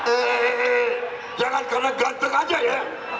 eh jangan karena ganteng aja ya